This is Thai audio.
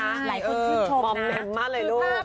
ใช่หลายคนชมนะมอมแมมมาเลยลูก